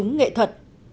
tổng thống nghệ thuật